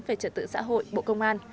về trật tự xã hội bộ công an